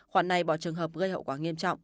khoản này bỏ trường hợp gây hậu quả nghiêm trọng